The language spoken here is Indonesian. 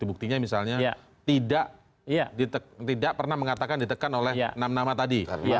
buktinya misalnya tidak pernah mengatakan ditekan oleh enam nama tadi